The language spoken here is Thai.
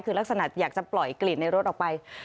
คือลักษณะอยากจะปล่อยกลิ่นในรถออกไป